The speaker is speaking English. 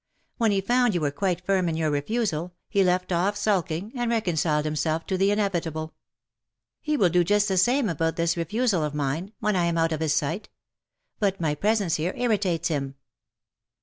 When he found you were quite firm in your refusal, he left ofP sulking, and reconciled himself to the inevitable. He will do just the same about this refusal of mine — when I am out of his sight. But my presence here irritates him.